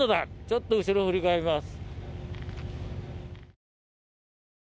ちょっと後ろを振り返ります。